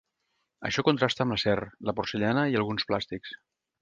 Això contrasta amb l’acer, la porcellana i alguns plàstics.